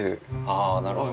あなるほど。